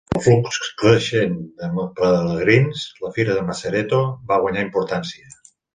Amb el flux creixent de pelegrins, la fira de Macereto va guanyar importància.